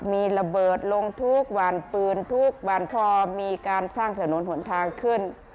มีระเบิดลงทุกวันปืนทุกวันพอมีการสร้างถนนหนทางขึ้น